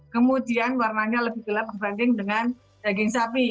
kemudian warnanya lebih gelap dibanding dengan daging sapi